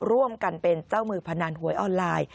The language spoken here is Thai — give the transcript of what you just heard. ร่วมกันเป็นเจ้ามือพนันหวยออนไลน์